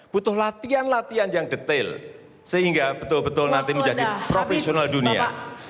butuh latihan latihan yang detail sehingga betul betul nanti menjadi profesional dunia